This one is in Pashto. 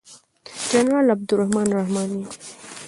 جنرال عبدالرحمن رحماني